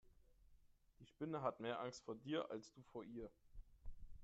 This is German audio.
Die Spinne hat mehr Angst vor dir als du vor ihr.